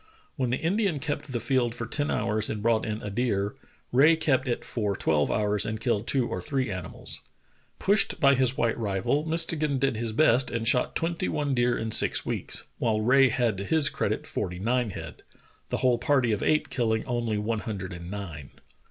When the Indian kept the field for ten hours and brought in a deer, Rae kept it for twelve hours and killed two or three animals. Pushed b}' his white rival, Mistegan did his best and shot tvventy one deer in six weeks, while Rae had to his credit forty nine head — the whole party of eight killing only one hundred and nine.